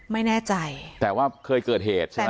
ไม่แน่ใจแต่ว่าเคยเกิดเหตุใช่ไหม